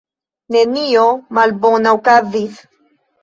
Nenio malbona okazis.